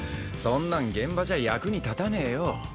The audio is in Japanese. そんなん現場じゃ役に立たねえよ。